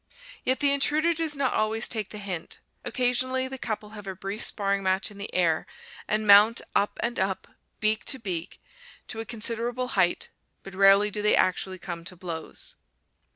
Yet the intruder does not always take the hint. Occasionally the couple have a brief sparring match in the air, and mount up and up, beak to beak, to a considerable height, but rarely do they actually come to blows.